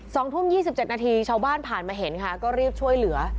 สองทุ่มยี่สิบเจ็ดนาทีชาวบ้านผ่านมาเห็นค่ะก็รีบช่วยเหลือ